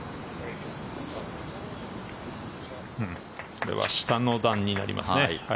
これは下の段になりますね。